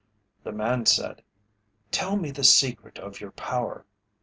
The man said, "Tell me the secret of your power."